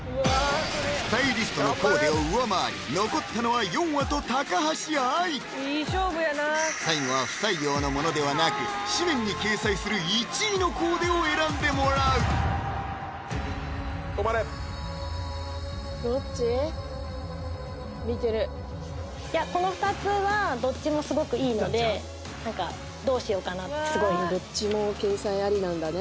スタイリストのコーデを上回り残ったのはヨンアと高橋愛最後は不採用のものではなく誌面に掲載する１位のコーデを選んでもらう止まれどっち？見てるいやこの２つはどっちも掲載ありなんだね